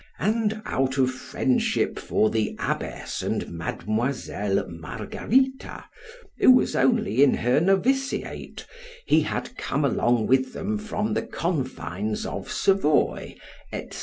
and out of friendship for the abbess and Mademoiselle Margarita, who was only in her noviciate, he had come along with them from the confines of Savoy, &c.